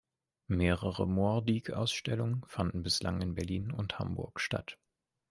Mehrere Mohrdieck-Ausstellungen fanden bislang in Berlin und Hamburg statt.